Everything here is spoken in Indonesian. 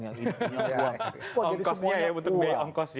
yang ini punya uang